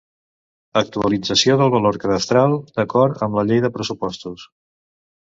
Actualització del valor cadastral d'acord amb la Llei de pressupostos.